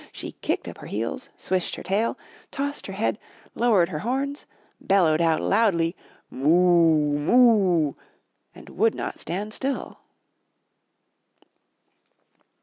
She kicked up her heels, swished her tail, tossed her head, lowered her horns, bellowed out loudly, ''Moo oo, Moo ooT* and would not stand still.